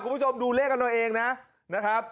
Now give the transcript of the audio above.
คุณผู้ชมดูเลขกันเอาเองนะครับ